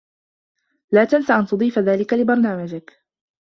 لا تنس أن تضيف ذلك لبرنامجك.